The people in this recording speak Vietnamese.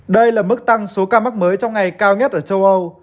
đây là mức tăng số ca mắc mới trong ngày cao nhất ở châu âu